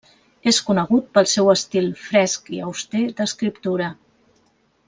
És conegut pel seu estil fresc i auster d'escriptura.